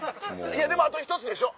いやでもあと１つでしょ